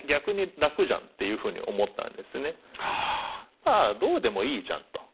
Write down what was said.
まあどうでもいいじゃんと。